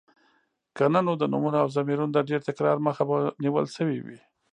که نو د نومونو او ضميرونو د ډېر تکرار مخه به نيول شوې وې.